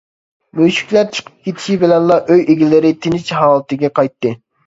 مۈشۈكلەر چىقىپ كېتىشى بىلەنلا ئۆي ئىلگىرىكى تىنچ ھالىتىگە قايتتى.